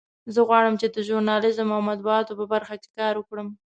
زه غواړم چې د ژورنالیزم او مطبوعاتو په برخه کې کار وکړم